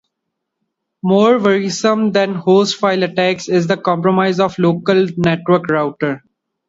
More worrisome than host-file attacks is the compromise of a local network router.